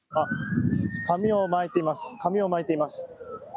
紙をまいています。